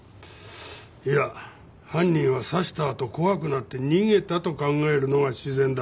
いや犯人は刺したあと怖くなって逃げたと考えるのが自然だろう。